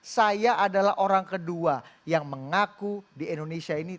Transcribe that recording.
saya adalah orang kedua yang mengaku di indonesia ini